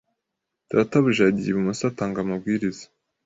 Databuja yagiye ibumoso atanga amabwiriza